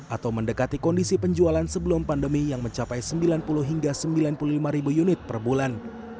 atau mendekati kondisi penjualan sebelum pandemi yang mencapai sembilan puluh hingga sembilan puluh lima ribu unit per bulan